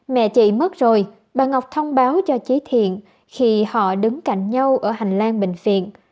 mẹ chị mất rồi bà ngọc thông báo cho chị thiện khi họ đứng cạnh nhau ở hành lang bệnh viện